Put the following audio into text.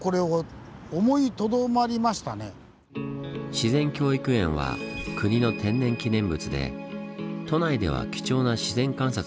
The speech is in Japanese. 自然教育園は国の天然記念物で都内では貴重な自然観察の場です。